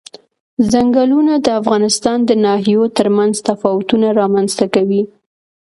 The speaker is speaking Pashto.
ځنګلونه د افغانستان د ناحیو ترمنځ تفاوتونه رامنځ ته کوي.